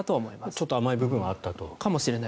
ちょっと甘い部分はあったと。